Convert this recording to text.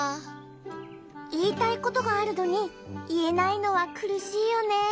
いいたいことがあるのにいえないのはくるしいよねえ。